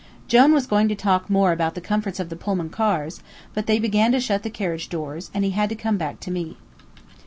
Jone was going to talk more about the comfort of the Pullman cars, but they began to shut the carriage doors, and he had to come back to me.